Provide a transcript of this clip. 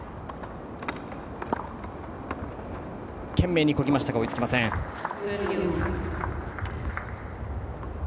懸命にこぎましたが追いつきませんでした。